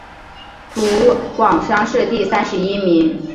湖广乡试第三十一名。